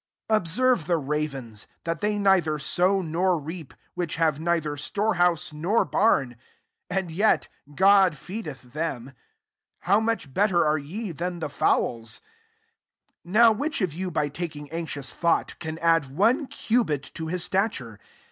24 Ob serve the ravens, that they nei ther sow nor reap ; which have neither store house, nor bam ; and yet God feedeth them. How much better are ye than the fowls ? 25 " Now which of you, by taking anxious thought, can add one cubit to his stature ?